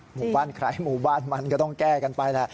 หมู่บ้านใครหมู่บ้านมันก็ต้องแก้กันไปแหละ